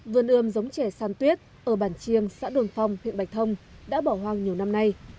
vườn ươm giống trẻ san tuyết ở bản chiêng xã đồn phong huyện bạch thông đã bỏ hoang nhiều năm nay